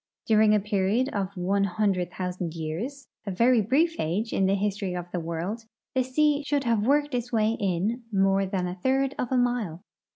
During a period of one hundred thousand years — a very brief age in the history of the Avorld — the sea should have Avorked its Avay inunore than a third of a mile.